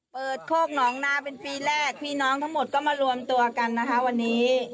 โคกหนองนาเป็นปีแรกพี่น้องทั้งหมดก็มารวมตัวกันนะคะวันนี้